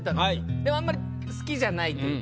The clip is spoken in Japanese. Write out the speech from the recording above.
であんまり好きじゃないというか。